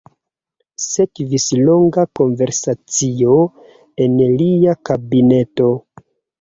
Sekvis longa konversacio en lia kabineto.